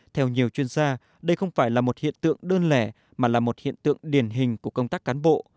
theo nhiều chuyên gia đây không phải là một hiện tượng đơn lẻ mà là một hiện tượng điển hình của công tác cán bộ